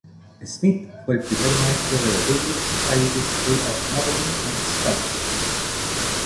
Smyth fue el primer maestro de la Dublin Society School of Modeling and sculpture.